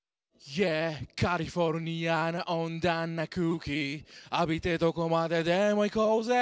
「Ｙｅａｈカリフォルニアの温暖な空気」「浴びてどこまででも行こうぜ」